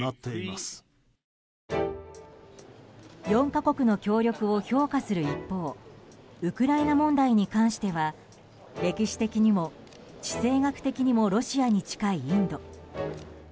４か国の協力を評価する一方ウクライナ問題に関しては歴史的にも地政学的にもロシアに近いインド。